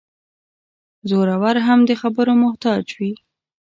زورور هم د خبرو محتاج وي.